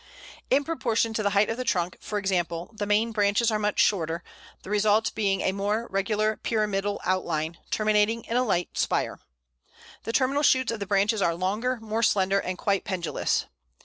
In proportion to the height of the trunk, for example, the main branches are much shorter, the result being a more regular pyramidal outline, terminating in a light spire. The terminal shoots of the branches are longer, more slender, and quite pendulous.